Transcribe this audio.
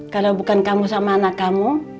kalau bukan kamu sama anak kamu